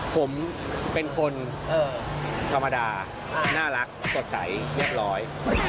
ผมเป็นคนธรรมดาน่ารักสดใสเรียบร้อย